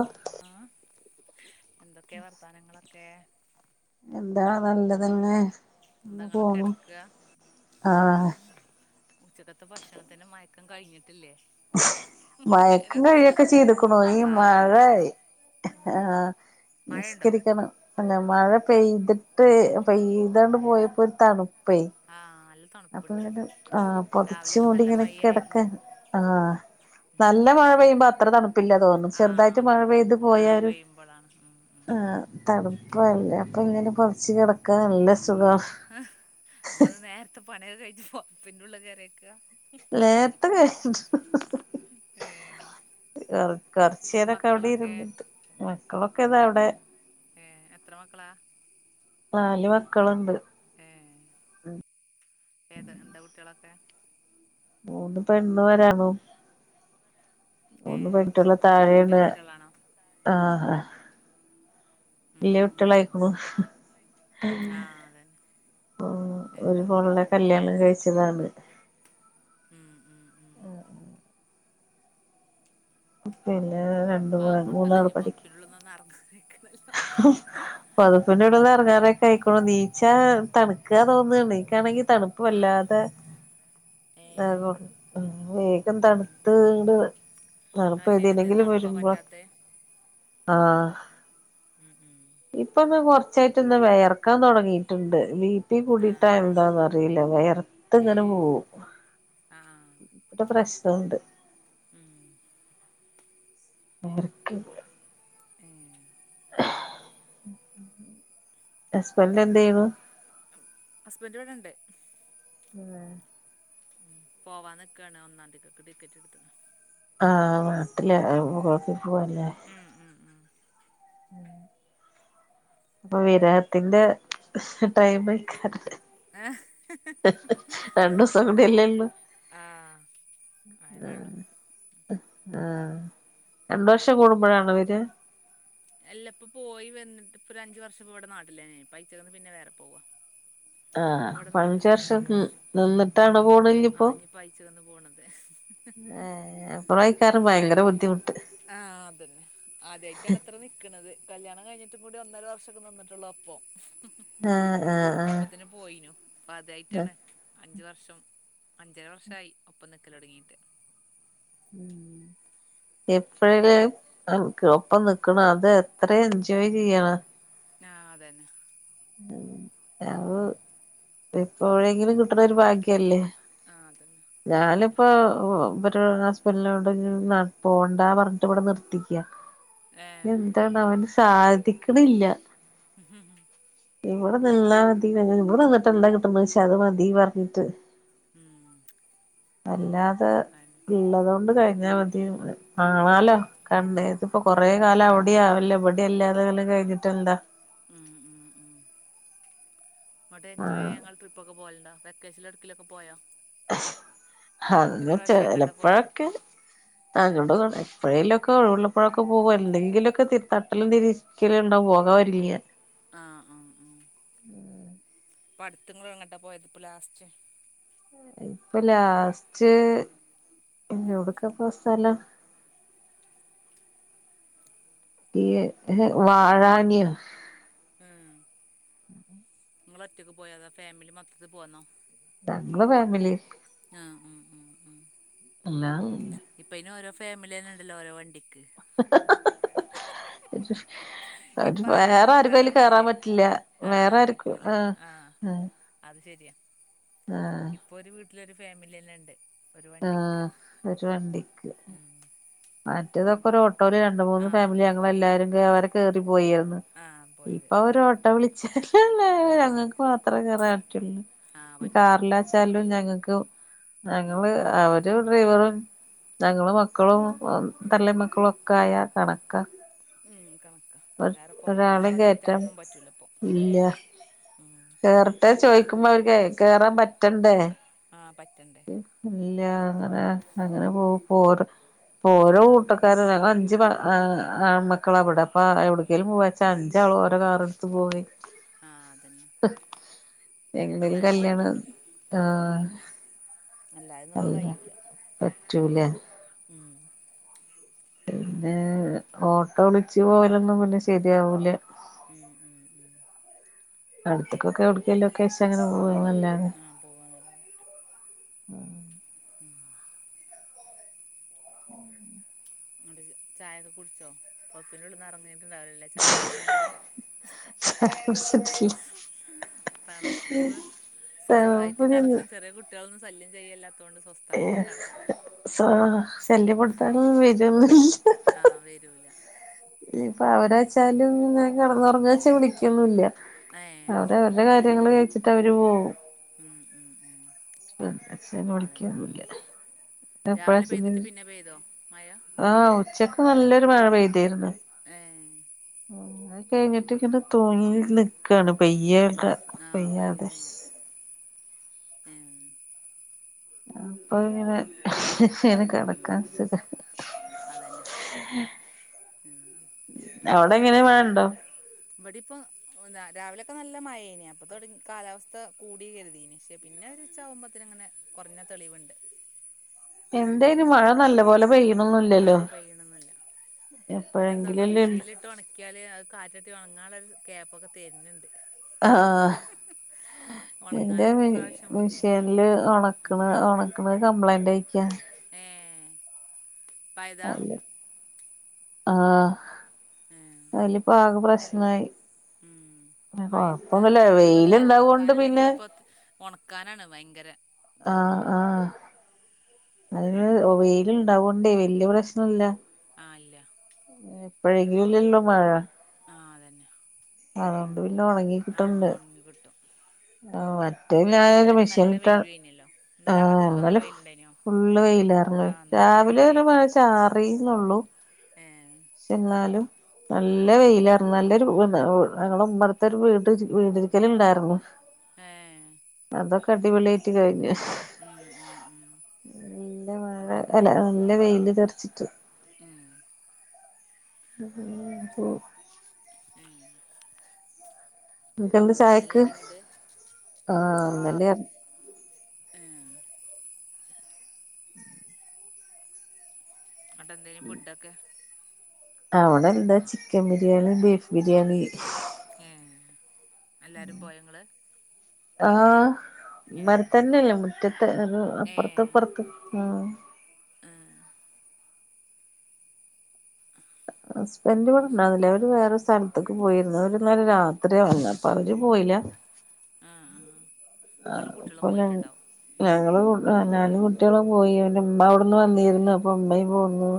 ഓഹ് ആഹ് എന്തൊക്കെയ വർത്താ നങ്ങളൊക്കെ എന്താ നല്ലതന്നെ എന്താ ഇങ്ങള് പോണു കെടക്കാ ആഹ് ഉച്ചക്കത്തെ ഭക്ഷണത്തിന്റെ മയക്കം കഴിഞ്ഞിട്ടില്ലേ മയക്കം നേരം കഴിയൊക്കെ ചെയ്തുക്കണു ഈ ബാങ്ക് മഴയ് കൊടുത്തു ഉം ആഹ് മഴയുണ്ടോ നിസ്കരിക്കണം പിന്നെ മഴ പെയ്ത്ട്ട് പെയ്തോണ്ട് പോയപ്പോ ഒരു തണുപ്പേ ആഹ അൽ അപ്പൊ ങ്ങട് ആ പൊതച്ച്മൂടി നല്ല ങ്ങനെ മഴയായിരുന്നു കെടക്കാൻ ആഹ ഉം നല്ല മഴ പെയ്യുമ്പോ അത്ര തണുപ്പ പ്പില്ല തോന്നും ആഹ് ചെറുതായിട്ട് മഴ അതാണ് പെയ്ത് ആഹ് പോയാൽ പെയ്യുമ്പളാണ് ഉം ഉം ആ് തണുപ്പല്ലേ അപ്പൊ ഇങ്ങനെ പൊതച്ച് കിടക്കാൻ നല്ലസു അപ്പൊത് അപ്പൊ അത് നേരത്തെ പണിയൊക്കെ കഴിഞ് പൊതപിന്റുള്ള് കേയറിക്കാ നേരത്തെ വെ ഏഹ് ഹഹ അത് ശരി കൊറച്ചേ രൊക്കെ അവിടെ മക്കളൊക്കെ രുന്നിട്ട് മക്കളൊക്കെ താ അവടെ ഏ എത്ര മക്കളാ നാല് മക്കള്ണ്ട് ഏദ എന്താകുട്ടിയാളൊക്കെ മൂന്ന് പെണ്ണുഒരാണു ഏ മൂന്ന് ശരി പെണ്‍കുട്ടിയാളെതാഴെയാണ് വെല്ലുട്ടികളാണോ ആഹ ആ ഉം വല്ലൃയ ഉം കുട്ടൃള ഉം യ്ക്ക്ണ് ഹേ ആ അ അതന്നെ പോ ഏ ഒരുമോളുടെ കല്യാണം കഴിച്ചതാണ് ഉം ഉം ഉം പിന്നെ രണ്ടു ബാങ്ക് കൊടുത്തല്ലോ മൂന്നാള് പഠിക്ക [unintelligible] ആ പൊതപ്പിന്റുളളി ടന്ന് ഇറങ്ങാറൊക്കെ ആയിക്കോണു നീച്ചാ തണുക്കുക തോന്നുന്നുണ്ട് നനിക്കാണെങ്കിൽ ആ തണുപ്പുവല്ലാതെ ഏ ആകും വേഗം ഉം ഉം തണുത്തങ്ങ്ട് ആ ശരീരത്തിന് ന്നാളപ്പേതിലെങ്കിലും തണുപ്പാ വരുമ്പോ പറ്റാത്തെ ആഹ ഉം ഉം ഇപ്പൊന്ന് കുറച്ചായിട്ട് ന്ന് വെയർക്കാൻ തൊടങ്ങീറ്റ്ണ്ട് ബീ പി ആ കൂടിയിട്ടായൊ എന്താന്ന അറിയില്ല വയർത്ത് ഏ ഇങ്ങനെ പോവും ആ ആ ഇപ്പൊ പ്രഷർ ഉണ്ട് ഉം എക്ക് ഏ ഹസ്ബന്റെന്തെയ്ണു ഹസ്ബന്റ് ഇവിടുണ്ട് അതെ ഉം പോവാ നിക്കാണ് ഒന്നാം തീതിക്കൊക്കെ ടിക്കറ്റെട്ത്ത്ക്ക്ണ് ആ നാട്ടില് ഗൾഫി പോവല്ലേ മ് മ് മ് ഉം ഇപ്പൊ വിരഹത്തിന്റെ ടൈമായിക്കാണ് ഏ രണ്ടുസം കൂടിയല്ലുള്ളൂ ആഹ് ആ ആ രണ്ട്വർഷം കൂടുമ്പഴാണ് വര്യ എല്ലിപ്പൊ പോയി വന്നിട്ട്പ്പൊരഞ്ചു വർഷം ഇപ്പിവിടെ നാട്ടിലെന്നായി ഇപ്പയച്ചേതന്ന് പിന്നെ വേറെ പോവാ ആഹ് ഇപ്പ ഇവിടെ ഇപ്പഞ്ച് നാട്ടിലേനു വർഷം അഞ്ചു ഇവിടെ നിന്നിട്ടാണ് നിന്നു ആ പോണല്ലിപ്പൊ ഇനിയിപ്പ അയച്ചക്കന്ന് പോണത് ഏ അപ്പളായിക്കാരും ഭയങ്കര ബുദ്ധിമുട്ട് ആ അതന്നെ ആദ്യായിട്ടാണ്ത്ര നിക്ക്ണത് കല്യാണം കഴിഞ്ഞിട്ടും കൂടി ഒന്നര വർഷൊക്കെ നിന്നിട്ടുള്ളൂ അപ്പൊ ആ ആ ആ പോയിനു അപ്പതായിട്ടാണ് അഞ്ച് വർഷം അഞ്ചര വർഷയി ഒപ്പം നിക്കലൊടങ്ങീട്ട് ഉം എപ്പഴല്ലേ എനിക്കൊപ്പം നിക്കണം അത് എത്ര എൻജോയ് ചെയ്യണ് ആ അതന്നെ ഉം ഇപ്പെവിടെയെങ്കിലും കിട്ടണ ഒരു ബാഗ്യല്ലേ ആ അതന്നെ ഞാനിപ്പൊ ഇവര് ഹസ്ബന്റിനോടെ പോണ്ട പറഞ്ഞിട്ടിവിടെ നിർത്തിക്കാ ഏ ഇനിയെന്താണവന് സാധിക്ക്ണില്ല ഉം ഇവടെ നിന്നാ മതിന്ന് ഇവടെ നിന്നിട്ടെന്താ കിട്ട്ണെച്ചാ അത് മതീ പറഞ്ഞിട്ട് ഉം വല്ലാതെ അയെന്നെ ഉള്ളത് കൊണ്ട് കഴിഞ്ഞാ മതിന്ന് കാണാലോ കണ്ട് ഇതിപ്പൊ കൊറേ കാലം അവിടെ ആവല്ലോ ഇവിടെ അല്ലാത്ങ്ങനെ കഴിഞ്ഞിട്ടെന്താ ഉം ഉം ഉം ആ അങ്ങട്ടെൻജോയ് ചെയ്യാന്ങ്ങള് ട്രിപ്പൊക്കെ പോവല്ണ്ടാ വെക്കേഷൻല് എടക്കിലൊക്കെ പോയോ അതിന് ഇപ്രാവശ്യം എങ്ങട്ടാ പോയത് ചെലപ്പൊഴൊക്കെ എപ്പൊഴേലൊക്കെ ഒഴിവുള്ളപ്പോഴൊക്കെ പോകും എന്തെങ്കിലൊക്കെ തി തട്ടലും തിരി ക്കല്ണ്ടാവും പോകാൻ ഒരുങ്ങിയ ആ ആ ആ ഇപ്പട്ത്ത്ങ്ങളെങ്ങട്ടാ പോയതിപ്പ ലാസ്റ്റ് ഇപ്പ ലാസ്റ്റ് എവിടക്കപ്പ സ്ഥലം ഈ വാഴാനിയ ഉം നിങ്ങളൊറ്റക്ക് പോയതാ അതാ ഫാമിലി മൊത്തത്തി പോന്നോ ഞങ്ങള് ഫാമിലി ആഹ് ആഹ് ആഹ് ആഹ് അല്ലാതെയില്ല ഇപ്പയിനോരോ ഫാമിലിയന്നെയ്ണ്ടല്ലോ ഓരോ വണ്ടിക്ക് ഹ് ഹ് ഹ് ഹ് ഹ് ഇപ്പം ആരേം വേറാര്ക്കും അയില് കൂട്ടാനൊന്നും കേറാൻ ഇല്ല പറ്റില്ല ആഹ് വേറാര്ക്കും പറ്റൂല ആഹ് ആഹ് അത് ശെരിയാ ആഹ് ഇപ്പൊ ഒരു വീട്ടിലൊരു ഫാമിലിന്നെ ണ്ട് ഒരു വണ്ടിക്ക് ആഹ് ഒരു വണ്ടിക്ക് ഉം മറ്റേതൊക്കെ ഒരു ഓട്ടോൽ രണ്ട് മൂന്ന് ആഹ് ഫാമിലി ഞങ്ങളെ പോയ എല്ലാരും വരെ കേറി പോയിരുന്നു ആഹ് പോയത് ഇപ്പൊ ഒര് ഓട്ടോ വിളിച്ചാല്ല്ലേ ഉം ഞങ്ങക്ക് മാത്രേ കേറാറ്റുള്ളൂ ആഹ് പറ്റുള്ളൂ ച്ചാലും ഞങ്ങക്ക് ഉം ഞങ്ങള് ഉം അവര് ഡ്രൈവറും ഞങ്ങള് മക്കളും വ ഉം തള്ളേം മക്കളൊക്കെ ആയാൽ കണക്ക ഉം കണക്ക ഒരാളീം കേറ്റാൻ ഇപ്പൊ ഇല്ല ഉം കേർ ട്ടെ ചോയിക്കുമ്പോ അവർക്ക് കേറാൻ പറ്റണ്ടേ ആഹ് പറ്റണ്ടേ ഇല്ല അങ്ങനെ ഉം അങ്ങനെ പോവും ഇപ്പോ ഓരോ ഓരോ ആഹ് കൂട്ട [unintelligible] അഞ്ച് ആഹ് ആമക്കളാ വിടെ പ്പ എവിട്ക്കെലും പോവാച്ചാ അഞ്ചാളരോ കാറെടുത്ത് പോയി ആഹ് അതന്നെ എന്തേലും അങ്ങനെന്നെ കല്യാണം പറ്റുള്ളൂ ആഹ് അല്ലായിന്ന് ഇപ്പ അല്ല കയ്യൂല പറ്റൂല ഉം അതന്നെ പിന്നെ ഓട്ടോ വിളിച്ച് പോവലൊന്നും പിന്നെ ശരിയാവൂല ഉം ഉം ഉം അടുത്ത്ക്കൊക്കെ എവിട്ക്കേലൊക്കെ വെച്ചാ അങ്ങനെ പോകന്നല്ലാതെ ആഹ് പോകാനല്ലാതെ ഉം ന്നട്ട് ഇജ്ജ് ചായയൊക്കെ കുടിച്ചോ പോത്പ്പ് ഉള്ളിൽന്ന് ഇറങ്ങ ങ്ങീട്ടുണ്ടാവില്ലലെ ചായ കുടിക്കണെങ്കിൽ തണുപ്പ് സ്വസ്ഥായിട്ട് കെടക്കാൻ ചെറിയ കുട്ടികളൊന്നും സല്യം ചെയ്യനില്ലാതൊണ്ട് ഏഹ് സ ശല്യപ്പെടുത്താൻ വേരോന്നുല്ല ആഹ് വരൂല ഞ്ഞ് ഇപ്പൊ അതന്നെ അവരാച്ചാലും ഇങ്ങനെ കെടന്നൊറങാ ച്ച വിളിക്കൊന്നുല്ല ഏഹ് അത് അവര് ശരി അവരുടെ കാര്യ ങ്ങൾ കഴിച്ചിട്ട് അവര് പോകും ഉം ഉം ഉം ഹസ്ബെന്റ അതന്നെ വിളിക്കൊന്നുല്ല രാവിലെ [unintelligible] പെയ്തിട്ട് പിന്നെ പെയ്തോ മഴ ആഹ് ഉച്ചക്ക് നല്ലൊരു മഴ പെയ്തിരുന്നു ഏഹ് ഉമ് അത് കഴിഞ്ഞിട്ട് ഇങ്ങനെ തൂങ്ങീക്ക്ണ് ഉം, ഉം ആ പെയ്യ്ന്നില്ല. ഏഹ് അപ്പൊ ഇങ്ങനെ [unintelligible] ഇങ്ങനെ ഉം ഉം കെടക്കാൻ ഉം സുഖ. അതന്നെ ഉം അവിടെങ്ങനെ മഴ ഇണ്ടോ? ഇബടി ഇപ്പ ഓഹ്, രാവിലെയൊക്കെ നല്ല മഴേനി അപ്പൊ തുടങ്ങി കാലാവസ്ഥ കൂടി കെര്തീനി. പക്ഷെ, പിന്നെ ഒരുച്ച ആവുമ്പോത്തിനങ്ങനെ കൊറഞ്ഞ തെളിവ്ണ്ട്. എന്തേനു മഴ നല്ലപോലെ പെയ്യും. ആഹ്, പെയ്യ്ണൊന്നില്ല പിന്നെ, എന്താന്നാ എപ്പോഴെങ്കിലല്ലേ ഇള്ളൂ മെഷീൻല് ഇട്ട് ഒണ ക്കിയാല് അത് കാറ്റട്ടി ഒണങ്ങാള്ള ഒരു ഗ്യപ്പൊക്കെ തെര്ണ് ണ്ട്. ഹ് ഹ് ഹ് ഇന്റെ മി മിഷീൻല് ഒണക്ക്ണ്, ഒണക്ക്ണ് കംപ്ലൈന്റ് ആയിക്ക്. ഏഹ് അറീല, ആഹ് ഏഹ് അയില് ഇപ്പ ആകെ പ്രശ്നായി. ഉം മഴത്ത് കൊഴപ്പൊന്നുല്ല ഞാൻ പറയ വെയിലുണ്ടാവോണ്ട് പിന്നെ അലക്കാനില്ലെങ്കിലും ഇപ്പ ഒണക്കാനാണ് വയങ്കര ആഹ്, ആഹ് അതിന് അതന്നെ വെയില് ഇണ്ടാവോണ്ടേ വെല്യ പ്രശ്നല്ല. ആ ഇല്ല. ഏഹ്, എപ്പഴെങ്കിലു ഇല്ലല്ലോ മഴ. ആ അതന്നെ. അതോണ്ട് പിന്നെ ഒണങ്ങി. ആ ഒണങ്ങി കിട്ടും. [unintelligible] മറ്റെ പിന്നെ ഞാനരു ഇന്നലെയൊക്കെ നല്ല മെഷീൻട്ട വെയിലും ആയിനല്ലോ ഇന്നലെ ആ ആഹ് ഭാഗത്തൊക്കെ എന്നാല് നല്ല ഫ് വെയിലുണ്ടായിനോ ഫുള്ള് വെയിലാ. [unintelligible] ആ ഇന്നലെ രാവിലെ ഫുള്ള് ഒരു മഴ ചാറിന്നൊള്ളൂ. ഏഹ് പക്ഷെ ഇന്നാലും നല്ല ഉം വെയിലാണ് നല്ലൊരു [unintelligible] ഞങ്ങളെ ഉമ്മറത്തെ ഒരു വീട് വീടിരിക്കല് ഇണ്ടായിര്ന്നു. ഏഹ് അതൊക്കെ അടിപൊളി ആയിറ്റ് കഴിഞ്ഞു. ഉം ഉം ഉം പിന്നെ വേറെ അതന്നെ അല്ല നല്ല വെയില്ണ്ട അർച്ചിട്ട്. ഉം [unintelligible] ഉം നിങ്ങക്കെന്താ ചായക്ക് ഇന്നലേനി ഇങ്ങട്ട് ആഹ്, ഏഹ് ഇങ്ങട്ട് എന്തേനി ഫുഡൊക്കെ? അവിടെ എന്താ ചിക്കൻ ബിരിയാണി, ബീഫ് ബിരിയാണി. ഏഹ്, എല്ലാരും പോയോ ഇങ്ങള്? ആഹ്, ഏ ഇമ്മരത്തന്നെ മുറ്റത്ത് ഒര് അപ്പൊർത്ത്, ഏ അപ്പൊർത്ത്. ആഹ് ആഹ് ഹസ്ബൻഡ് ഇവിടെ അത് ശരി ഇണ്ടാവിലേ? ഇപ്പ വേറെ സ്ഥലത്ത്ക്ക് പോയിരുന്നു. അവര് ഇന്നെല രാത്രിയാ വന്നെ, അപ്പ അവര് പോയില. ആഹ്, ആഹ് നിങ്ങളും അപ്പൊ കുട്ടിളും ഞ പോയിട്ടുണ്ടാവും. ഞങ്ങള് ഞാനും കുട്ടിളും പോയി ആണ്ട് ഇമ്മ അവിട്ന്ന് വന്നിര്ന്നു. അപ്പൊ ഇമ്മയും പോന്നു.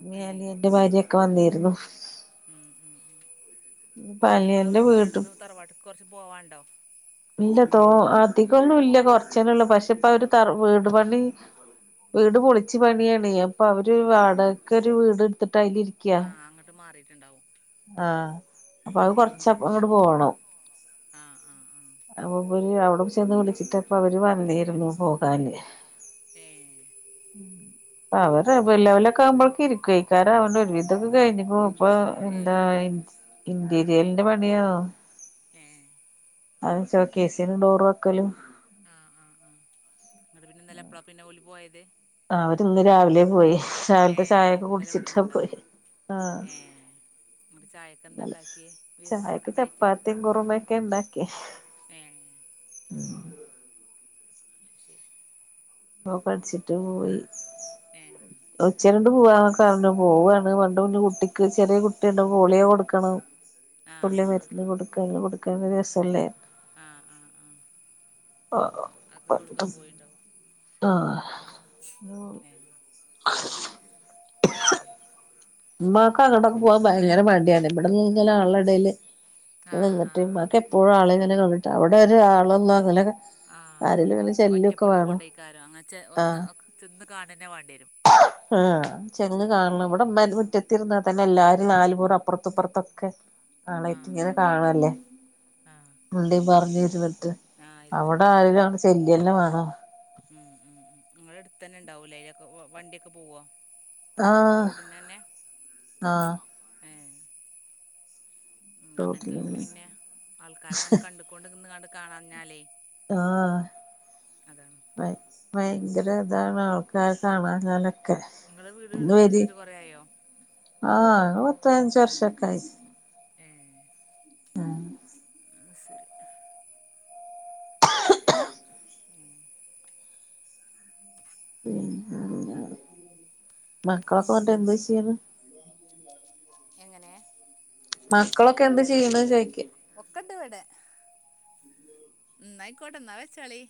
ഇന്ന് ഏഹ് അനിയന്റെ ഭാര്യൊക്കെ വന്നിരുന്നു ഉം ഉം ഉ ഇപ്പ ഓല്ത് ഇങ്ങളെ അനിയന്റെ വീടിന്റെ വീട്ട അട്ത്ത്ന്ന് തറവാട്ട്ക്ക് കൊറച്ച് പോവാണ്ടോ ഇല്ല തോ അധികൊന്നുല്ല കൊറച്ചെന്നെ ഒള്ളു പക്ഷെ ഇപ്പ അവര് തറ വീട് പണി വീട് പൊളിച്ചു പണിയാണേ അപ്പൊ അവര് ആഹ് ആഹ് വാടകക്ക് ഒരു വീട് എടുത്തിട്ട് അയില് ഇരി ക്ക്യാ ആഹ് അങ്ങട്ട് മാറിയിട്ടുണ്ടാവും ആഹ് അപ്പൊ അത് ഏഹ് കൊറച്ച് അങ്ങട്ട് പോണം ആഹ് ആഹ് ആഹ് അപ് ഇവല് അവിടെ ചെന്ന് വിളിച്ചിട്ട് അപ്പ അവര് വന്നീരുന്നു പോകാന് ഏഹ് ഉം അവര് റബിഉൽ അവ്വലൊക്കെ ആവുമ്പോഴേക്ക് ഇരിക്കു എയ്ക്കാരം അവര് ഒരുവിധൊക്കെ കഴിഞ്ഞ്ക്കണു ഇപ്പൊ എന്താ ഏഹ് ഇൻ ഇന്റീരിയൽന്റെ പണിയോ ഏഹ് അത് ഷോകേസിന് ഡോർ വെക്കലും ആഹ് ആഹ് ആഹ് ന്ന്ട്ട് പിന്നെ എപ്പളാ പിന്നെ ഓല് പോയത് അവര് ഇന്ന് രാവിലെ പോയേ രാവിലത്തെ ഏഹ് ചായയൊക്കെ ഇന്നലെ കുടിച്ചിട്ടാ പോയേ ഇവിടുന്നുണ്ടാവും ആഹ് ഏഹ് ഇങ്ങട്ട് ചായക്കെന്താ നല്ലെ ഇണ്ടാക്കിയേ വിരുന്നാരൊക്കെ ചായക്ക് ഇണ്ടായിട്ട് ചപ്പാത്തിയും കുറുമൊക്കെ ഉണ്ടാക്കി ഏഹ് ഉം ശരി ഓൻ പടിച്ചിട്ട് പോയി ഏ ഉച്ചരിഞ്ഞിണ്ട് പോവാന്നൊക്കെ പറഞ്ഞ് പോവാണ് പറഞ്ഞ്ട്ട് പിന്നെ കുട്ടിക്ക് ചെറിയ കുട്ടിണ്ട് പോളിയൊ കൊടുക്കണം ആഹ് തുള്ളി ആഹ് മരുന്ന് ആഹ് കൊടുക്കാന് കൊടുക്കാനുള്ള ദിവസല്ലേ ആഹ് ആഹ് ആഹ് അത് കൊടുക്കാൻ പോയിണ്ടാവും ആഹ് ഏഹ് അയ്ശെരി ഇമ്മാക്ക് അങ്ങട്ടൊക്കെ പോകാൻ ഭയങ്കര മടിയാണ് ഇവിടെങ്നെ ആളെ എടേല് ആഹ് നിന്നിട്ട് ആഹ് ആഹ് ഇമ്മാക്കെ എപ്പോഴും ആളിങ്ങനെ കണ്ടിട്ട് അവിടെ ഒരാളൊന്നും അങ്ങനെ ആഹ് ആരേലും ഇങ്ങനെ ചെല്ലൊക്കെ ഒറ്റപ്പെട്ട് വേണം കൊണ്ടയ്ക്കാരം അങ്ങൻതെ ഒന്ന് ആഹ് ഒ ചെന്ന് കാണെന്നെ വാണ്ടിയരും ആഹ് ചെന്ന് കാണണം ഇവടെ ഇമ്മന്നെ മുറ്റ ത്തിരുന്ന തന്നെ എല്ലാരും നാല് പുറും അപ്പർത്തുപ്പർത്തൊക്കെ ആഹ് ആളെയ്റ്റ്ങ്ങനെ ആഹ് ആഹ് കാണല്ലേ ആഹ് മിണ്ടീ പറഞ്ഞു ഇരുന്നിട്ട് ആഹ് അവടെ ഇരുന്നിട്ട് ആരേലട് ചെല്ലെന്നെ മാണം ഉം ഉം ഉം ഇങ്ങളെ അട്ത്തെന്നെ ഇണ്ടാവൂലേ അയ്ലൊക്കെ വണ്ടീക്കെ പോവോ ആഹ് റോഡിന്നന്നേ ആഹ് ഏഹ് ഉം അങ്ങൻത്തോല്ക്ക് റോട്ടിലന്നെ പിന്നെ ആൾക്കാരങ്ങനെ കണ്ടുകോണ്ട് നിന്ന്കാണ്ട് കാണാഞ്ഞാലേ അതാണ് ഭയ ഭയങ്കര ഇതാണ് ആൾക്കാരെ കാണാഞ്ഞാലേ നിങ്ങളെ വീട് ഇന്ന് വരി കുടിരുന്നിട്ട് കൊറേ ആയോ ആഹ് ങ്ങള് പത്ത്പയ്നഞ്ച് വർഷൊക്കെ ആയി ഏഹ് അയ് ശരി ഉം പിന്നെന്താ മക്കളൊക്കെ വന്ന്ട്ട് എന്താ ചെയ്യ്ണ് എങ്ങനെ മക്കളൊക്കെ എന്ത് ചെയ്യ്ണ് ചോയ്ക്ക ഒക്കെണ്ട് വ്ടെ ന്നായിക്കോട്ടെ ന്നാ വെച്ചാളി